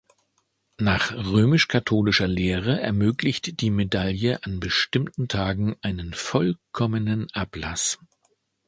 Nach römisch-katholischer Lehre ermöglicht die Medaille an bestimmten Tagen einen vollkommenen Ablass.